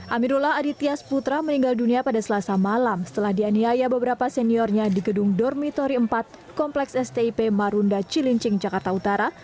amirullah aditya sputra meninggal dunia pada selasa malam setelah dianiaya beberapa seniornya di gedung dormitori empat kompleks stip marunda cilincing jakarta utara